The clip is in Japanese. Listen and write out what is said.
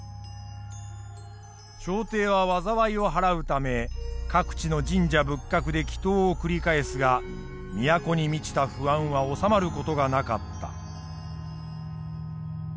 朝廷は災いを払うため各地の神社仏閣で祈祷を繰り返すが都に満ちた不安は治まる事がなかった。